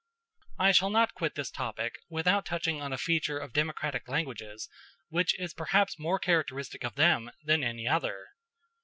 I shall not quit this topic without touching on a feature of democratic languages, which is perhaps more characteristic of them than any other.